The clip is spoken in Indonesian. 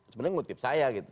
sebenarnya ngutip saya gitu